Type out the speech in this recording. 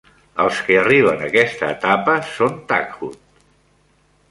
Els que arriben a aquesta etapa són "taghut".